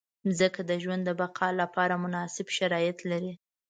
مځکه د ژوند د بقا لپاره مناسب شرایط لري.